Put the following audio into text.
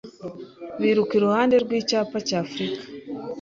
biruka iruhande rw'Icyapa cya Afurika